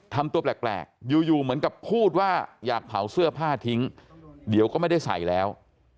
ทำตัวแปลกอยู่เหมือนกับพูดว่าอยากเผาเสื้อผ้าทิ้งเดี๋ยวก็ไม่ได้ใส่แล้ว